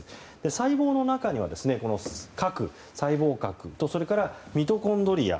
細胞の中には、細胞核とそれからミトコンドリア。